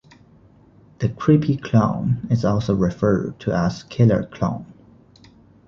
The "Creepy Clown" is also referred to as "Killer Clown.